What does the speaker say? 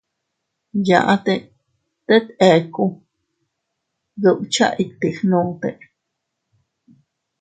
Yaʼte tet eku, dukcha iti gnu.